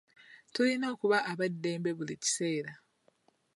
Tulina okuba ab'eddembe buli kiseera.